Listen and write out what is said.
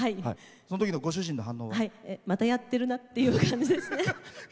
そのときのご主人の反応は？またやってるなって感じですね。